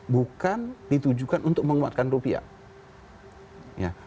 bukan ditujukan untuk menguatkan rupiah